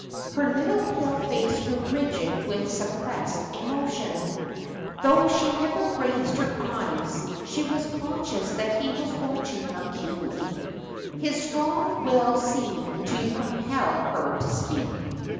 Her little pale face grew rigid with suppressed emotion. Though she never raised her eyes, she was conscious that he was watching her keenly; his strong will seemed to compel her to speak.